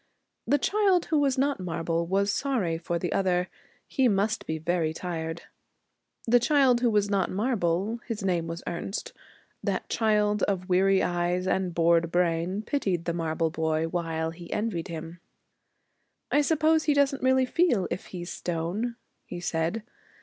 The child who was not marble was sorry for the other. He must be very tired. The child who was not marble, his name was Ernest, that child of weary eyes and bored brain, pitied the marble boy while he envied him. 'I suppose he doesn't really feel, if he's stone,' he said.